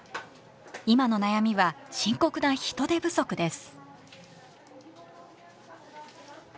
今の悩みは深刻な人手不足です。